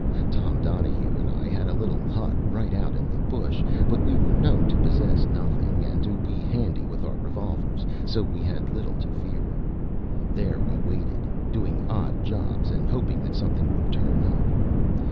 Tom Donahue and I had a little hut right out in the bush; but we were known to possess nothing, and to be handy with our revolvers, so we had little to fear. There we waited, doing odd jobs, and hoping that something would turn up.